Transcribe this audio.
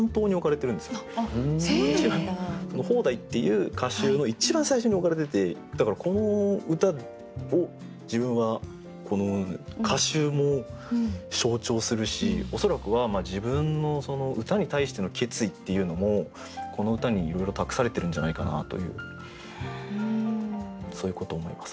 「方代」っていう歌集の一番最初に置かれててだからこの歌を自分は歌集も象徴するし恐らくは自分の歌に対しての決意っていうのもこの歌にいろいろ託されてるんじゃないかなというそういうことを思います。